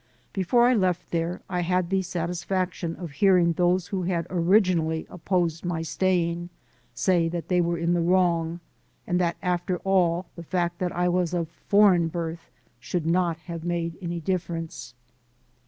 Before I left there, I had the satisfaction of hearing those who had originally opposed my staying say that they were in the wrong, and that after all the fact that I was of foreign birth should not have made any difference.